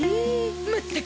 まったく。